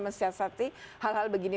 menyiasati hal hal begini